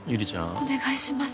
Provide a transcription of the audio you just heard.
お願いします。